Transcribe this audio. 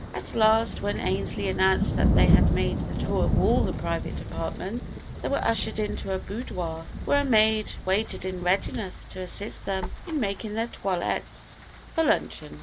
At last, when Ainslee announced that they had made the tour of all the private apartments, they were ushered into a little boudoir where a maid waited in readiness to assist them in making their toilettes for luncheon.